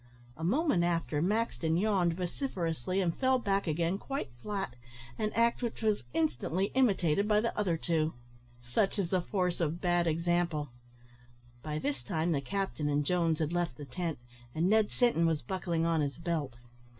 A moment after, Maxton yawned vociferously, and fell back again quite flat, an act which was instantly imitated by the other two. Such is the force of bad example. By this time the captain and Jones had left the tent, and Ned Sinton was buckling on his belt.